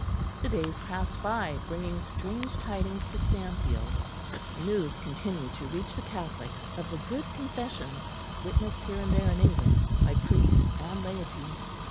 The days passed by, bringing strange tidings to Stanfield. News continued to reach the Catholics of the good confessions witnessed here and there in England by priests and laity.